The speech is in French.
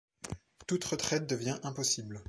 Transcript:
Toute retraite devient impossible.